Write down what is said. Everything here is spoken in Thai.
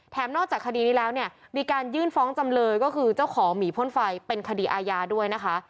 นอกจากคดีนี้แล้วเนี่ยมีการยื่นฟ้องจำเลยก็คือเจ้าของหมีพ่นไฟเป็นคดีอาญาด้วยนะคะ